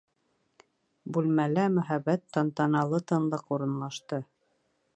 Бүлмәлә мөһабәт, тантаналы тынлыҡ урынлашты.